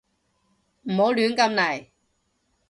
唔好亂咁嚟